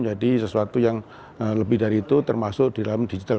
jadi sesuatu yang lebih dari itu termasuk di dalam digital